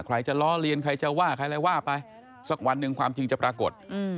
ใครจะล้อเลียนใครจะว่าใครอะไรว่าไปสักวันหนึ่งความจริงจะปรากฏ